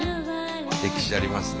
歴史ありますね。